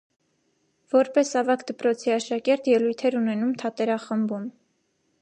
Որպես ավագ դպրոցի աշակերտ ելույթ էր ունենում թատերախմբում։